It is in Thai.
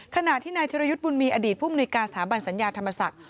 ขณะที่นายธิรยุทธ์บุญมีอดีตผู้มนุยการสถาบันสัญญาธรรมศักดิ์